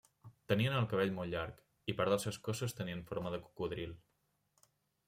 Tenien el cabell molt llarg, i part dels seus cossos tenien forma de cocodril.